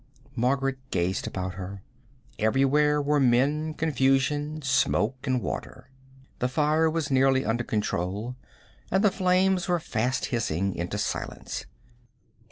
Margaret gazed about her. Everywhere were men, confusion, smoke and water. The fire was clearly under control, and the flames were fast hissing into silence.